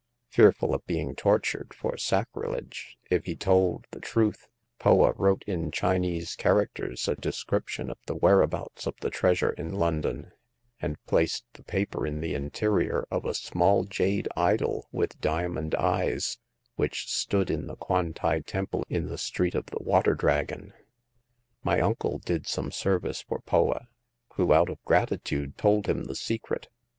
Fear ful of being tortured for sacrilege if he told the truth, Poa wrote in Chinese characters a descrip tion of the whereabouts of the treasure in Lon don, and placed the paper in the interior of a small jade idol, with diamond eyes, which stood in the Kwan tai Temple in the Street of the Water Dragon. My uncle did some service for Poa, who, out of gratitude, told him the secret.